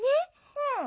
うん。